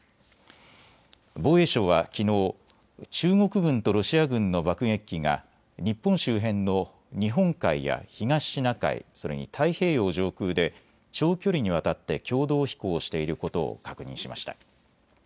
防衛省はきのう、中国軍とロシア軍の爆撃機が日本周辺の日本海や東シナ海、それに太平洋上空で長距離にわたって共同飛行していることを確認しました。